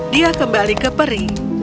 dia kembali ke peri